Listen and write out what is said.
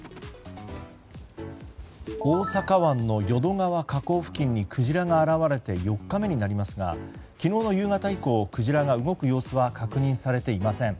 大阪湾の淀川河口付近にクジラが現れて４日目になりますが昨日の夕方以降クジラが動く様子は確認されていません。